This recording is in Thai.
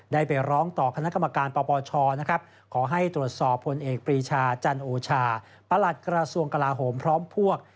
ได้ไปร้องต่อคณะกรรมการปปชนะครับขอให้ตรวจสอบผลเอกปรีชาจันโอชาประหลัดกระทรวงกลาโหมพร้อมพวก